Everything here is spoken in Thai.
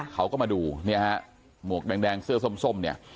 เขาก็มาดูเนี่ยฮะหมวกแดงเสื้อส้มเนี่ย